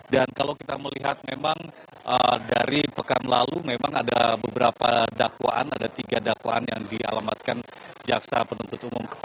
dan kalau kita melihat memang dari pekan lalu memang ada beberapa dakwaan ada tiga dakwaan yang dialamatkan jaksa penuntut umum